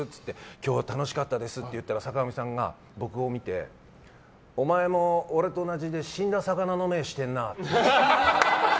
今日は楽しかったですって言ったら、坂上さんが僕を見て、お前も俺と同じで死んだ魚の目してんなって。